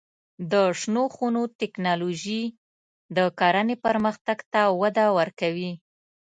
د شنو خونو تکنالوژي د کرنې پرمختګ ته وده ورکوي.